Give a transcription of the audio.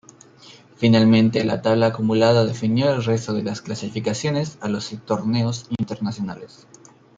Finalmente la tabla acumulada definió el restó de las clasificaciones a los torneos internacionales.